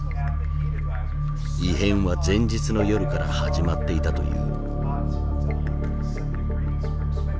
異変は前日の夜から始まっていたという。